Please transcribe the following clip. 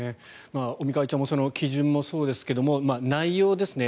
尾身会長も基準もそうですが、内容ですね。